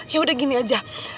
yaudah gini aja